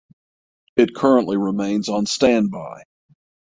It currently remains on standby.